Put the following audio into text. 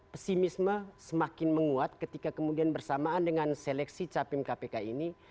pesimisme semakin menguat ketika kemudian bersamaan dengan seleksi capim kpk ini